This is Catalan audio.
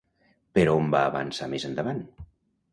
Per on va avançar més endavant?